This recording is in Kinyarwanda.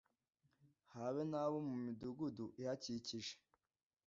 habe n'abo mu midugudu ihakikije